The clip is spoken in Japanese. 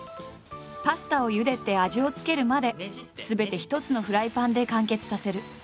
パスタをゆでて味を付けるまですべて一つのフライパンで完結させる。